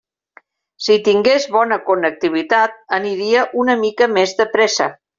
Si tingués bona connectivitat aniria una mica més de pressa.